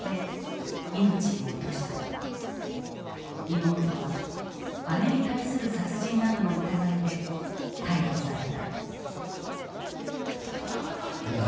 妹は姉に対する殺人などの疑いで逮捕された。